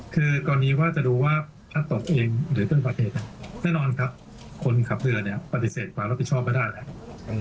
คือก่อนนี้ว่าจะดูว่าพระตกเองหรือเป็นประเทศนะครับแน่นอนครับคนขับเรือเนี่ยปฏิเสธความรับผิดชอบไม่ได้แหละ